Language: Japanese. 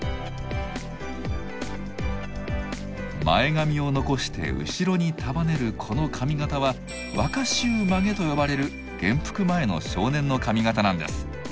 前髪を残して後ろに束ねるこの髪型は若衆髷と呼ばれる元服前の少年の髪型なんです。